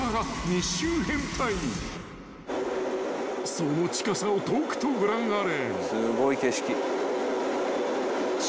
［その近さをとくとご覧あれ］